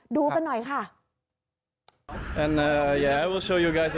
ดูกันหน่อยค่ะ